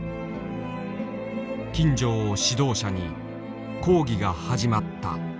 金城を指導者に講義が始まった。